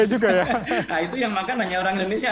nah itu yang makan hanya orang indonesia